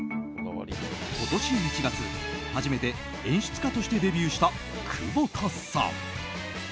今年１月、初めて演出家としてデビューした久保田さん。